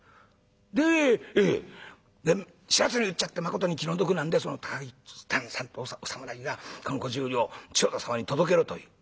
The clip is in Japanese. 「で知らずに売っちゃってまことに気の毒なんでその高木さんってお侍がこの５０両千代田様に届けろと言う」。